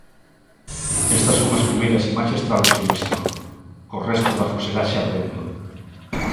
Estas son as primeiras imaxes tras o sinistro, cos restos da fuselaxe ardendo.